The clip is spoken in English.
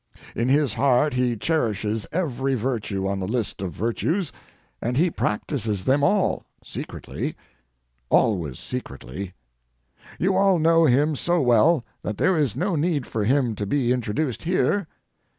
In his heart he cherishes every virtue on the list of virtues, and he practises them all—secretly—always secretly. You all know him so well that there is no need for him to be introduced here.